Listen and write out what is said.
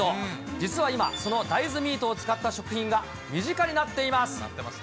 実は今、その大豆ミートを使った食品が身近になっています。